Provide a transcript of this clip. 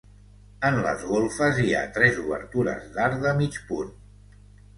En les golfes hi ha tres obertures d'arc de mig punt.